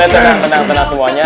tenang tenang tenang semuanya